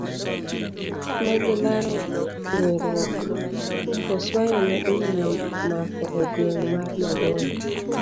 Negilaro nge'ruok. oswayo ne orumo mako e gweng' mar Mabonde.